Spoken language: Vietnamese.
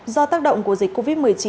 do tác động của dịch covid một mươi chín